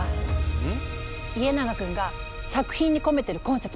うん。